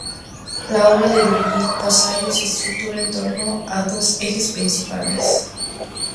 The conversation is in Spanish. La obra de Brigitte Vasallo se estructura en torno a dos ejes principales.